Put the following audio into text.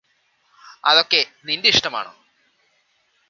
അതൊക്കെ നിന്റെ ഇഷ്ടമാണ്